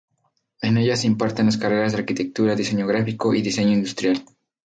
En ella se imparten las carreras de Arquitectura, Diseño Gráfico y Diseño Industrial.